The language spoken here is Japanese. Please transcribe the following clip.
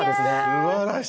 すばらしい！